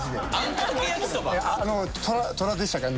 トラでしたっけ？